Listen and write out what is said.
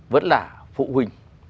vẫn là phụ huynh